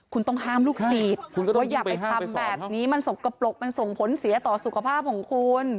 คุณต้องห้ามลูกศิษย์ว่าอย่าไปทำแบบนี้มันสกปรกมันส่งผลเสียต่อสุขภาพของคุณ